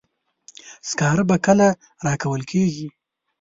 سکاره به کله راکول کیږي.